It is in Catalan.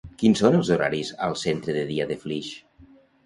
Quins són els horaris al centre de dia de Flix?